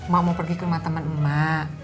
mak mau pergi ke rumah temen mak